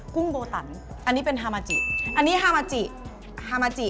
กุ้งโบตันอันนี้เป็นฮามาจิอันนี้ฮามาจิฮามาจิ